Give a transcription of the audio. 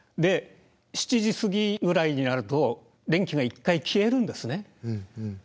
７時過ぎぐらいになると電気が一回消えるんですね。